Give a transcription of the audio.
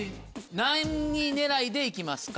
何位狙いで行きますか？